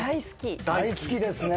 大好きですね。